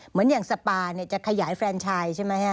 เหมือนอย่างสปาจะขยายแฟรนชาย